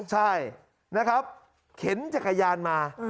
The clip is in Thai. ใช่เข็นใช้กระยาณมา